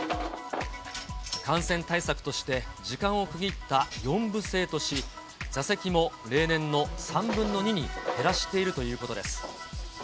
感染対策として、時間を区切った４部制とし、座席も例年の３分の２に減らしているということです。